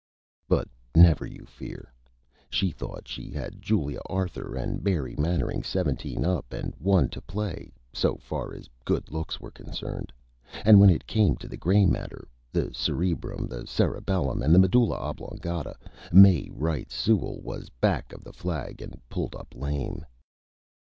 But never you Fear, She thought She had Julia Arthur and Mary Mannering Seventeen up and One to play, so far as Good Looks were concerned; and when it came to the Gray Matter the Cerebrum, the Cerebellum, and the Medulla Oblongata May Wright Sewall was back of the Flag and Pulled up Lame.